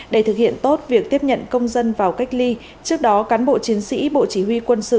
để thực hiện tốt việc tiếp nhận công dân vào cách ly trước đó cán bộ chiến sĩ bộ chỉ huy quân sự